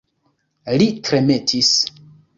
Li tremetis.